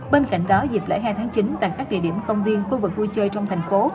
bên cạnh đó dịp lễ hai tháng chín tại các địa điểm công viên khu vực vui chơi trong thành phố